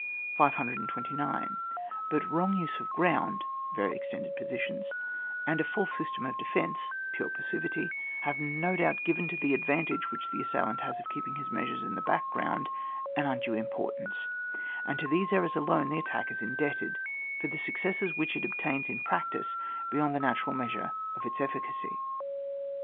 529. But wrong use of ground (very extended positions), and a false system of defence (pure passivity), have no doubt given to the advantage which the assailant has of keeping his measures in the back ground, an undue importance, and to these errors alone the attack is indebted for the successes which it obtains in prac tice, beyond the natural measure of its efficacy.